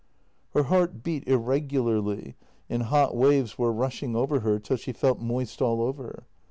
Her heart beat irregularly, and hot waves were rushing over her till she felt moist all over.